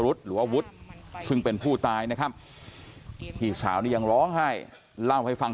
หรือว่าวุฒิซึ่งเป็นผู้ตายนะครับพี่สาวนี่ยังร้องไห้เล่าให้ฟัง